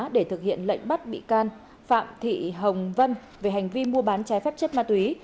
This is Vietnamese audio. để thực hiện lệnh bắt bị can phạm thị hồng vân về hành vi mua bán trái phép chất ma túy